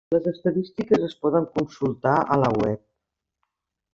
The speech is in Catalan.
Les estadístiques es poden consultar a la web.